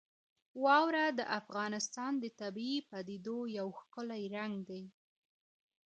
واوره د افغانستان د طبیعي پدیدو یو ښکلی رنګ دی.